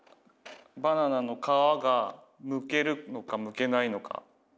バナナの皮がむけるのかむけないのか。